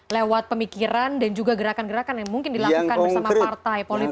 lewat pemikiran dan juga gerakan gerakan yang mungkin dilakukan bersama partai politik